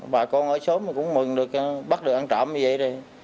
bà con ở xóm mình cũng mừng được bắt được ăn trộm như vậy